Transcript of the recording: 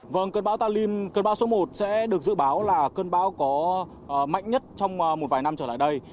vâng cơn bão talim cơn bão số một sẽ được dự báo là cơn bão có mạnh nhất trong một vài năm trở lại đây